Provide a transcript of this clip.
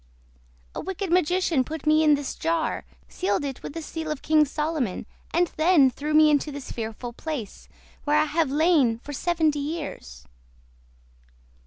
A wicked magician put me in this jar, sealed it with the seal of King Solomon, and then threw me into this fearful place, where I have lain for seventy years."